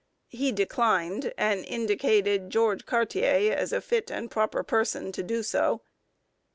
He declined, and indicated George Cartier as a fit and proper person to do so.